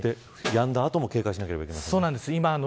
やんだ後も警戒しなければいけませんね。